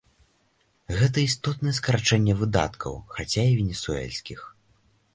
Гэта істотнае скарачэнне выдаткаў, хаця і венесуэльскіх.